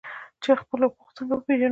خپل حقوق څنګه وپیژنو؟